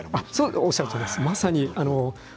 おっしゃるとおりです。